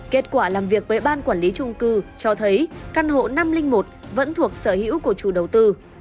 kết quả làm việc với ban quản lý trung cư cho thấy căn hộ năm trăm linh một vẫn thuộc sở hữu của chủ đầu tư